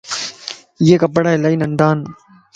ايي ڪپڙا الائي ننڍان